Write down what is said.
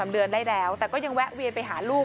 เดือนได้แล้วแต่ก็ยังแวะเวียนไปหาลูก